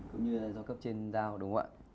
cũng như là do cấp trên giao đúng không ạ